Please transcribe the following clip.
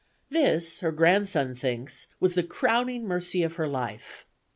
This, her grandson thinks, was the crowning mercy of her life.